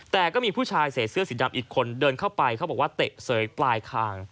แต่ก็มีผู้ชายใส่เสื้อสีดำอีกคนเดินเข้าไปเขาบอกว่าเตะเสยปลายคาง